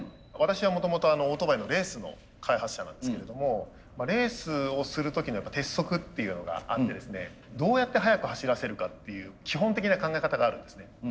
私はもともとオートバイのレースの開発者なんですけれどもレースをする時の鉄則っていうのがあってですねどうやって速く走らせるかっていう基本的な考え方があるんですね。